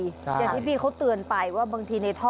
อย่างที่พี่เขาเตือนไปว่าบางทีในท่อ